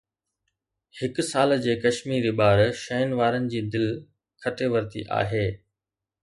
هڪ سال جي ڪشميري ٻار شين وارن جي دل کٽي ورتي آهي